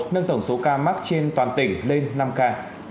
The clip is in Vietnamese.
nâng tổng số ca mắc trên toàn tỉnh lên năm ca